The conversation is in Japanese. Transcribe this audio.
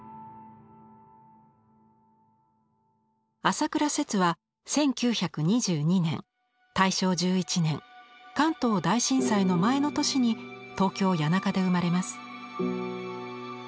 朝倉摂は１９２２年大正１１年関東大震災の前の年に東京・谷中で生まれます。